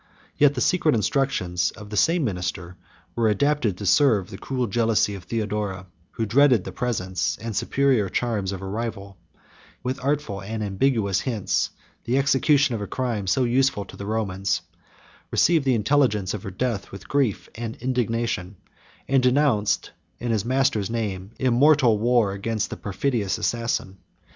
55a Yet the secret instructions of the same minister were adapted to serve the cruel jealousy of Theodora, who dreaded the presence and superior charms of a rival: he prompted, with artful and ambiguous hints, the execution of a crime so useful to the Romans;56 received the intelligence of her death with grief and indignation, and denounced, in his master's name, immortal war against the perfidious assassin.